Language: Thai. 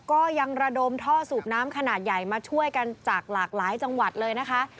ก็ยังระดมท่อสูบน้ำขนาดใหญ่มาช่วยกันจากหลากหลายจังหวัดเลยนะคะ